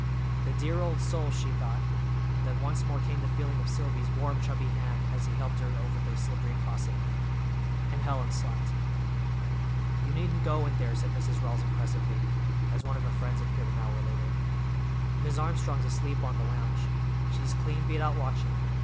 The dear old soul—she thought, and then once more came the feeling of Silvy's warm, chubby hand as he helped her over the slippery crossing—and Helen slept. "You needn't go in there," said Mrs. Rawls impressively, as one of her friends appeared an hour later. "Mis' Armstrong's asleep on the lounge. She's clean beat out watchin'.